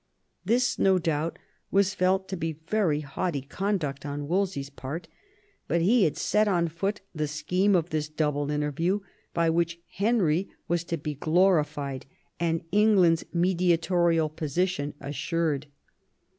This, no doubt) was felt to be very haughty conduct on Wolsey's part ; but he had set on foot the scheme of this double interview, by which Henry was to be glorified and England's mediatorial position assured.